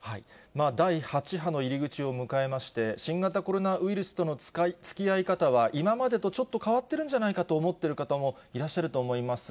第８波の入り口を迎えまして、新型コロナウイルスとのつきあい方は今までとちょっと変わってるんじゃないかと思ってる方もいらっしゃると思います。